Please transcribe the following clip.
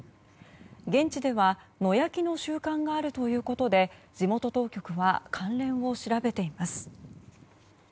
現地では野焼きの習慣があるということで地元当局は関連を調べています。